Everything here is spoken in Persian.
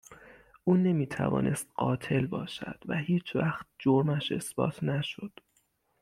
او نمی توانست قاتل باشد و هیچوقت جرمش اثبات نشد